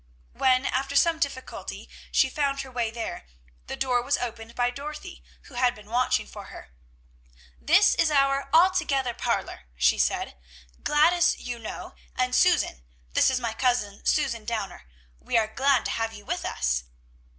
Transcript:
When, after some difficulty, she found her way there, the door was opened by Dorothy, who had been watching for her. "This is our all together parlor," she said. "Gladys, you know, and Susan, this is my cousin, Susan Downer. We are glad to have you with us."